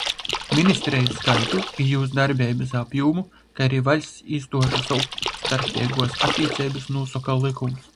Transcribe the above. Ministreju skaitu i jūs darbeibys apjūmu, kai ari vaļsts īstuožu sovstarpeiguos attīceibys nūsoka lykums.